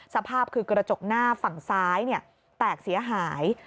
สภาพคือกระจกหน้าฝั่งซ้ายแตกเสียหาย